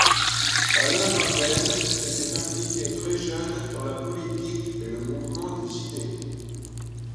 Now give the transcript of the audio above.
Alain Ravennes s'était impliqué très jeune dans la politique et le mouvement des idées.